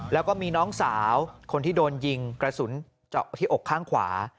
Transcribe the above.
แล้วก็มีน้องสาวคนที่โดนยิงกระสุนเจาะที่อกข้างขวา